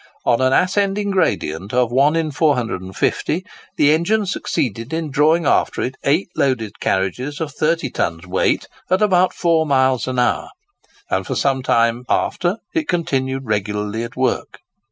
On an ascending gradient of 1 in 450, the engine succeeded in drawing after it eight loaded carriages of thirty tons' weight at about four miles an hour; and for some time after it continued regularly at work.